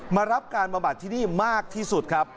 รับการบำบัดที่นี่มากที่สุดครับ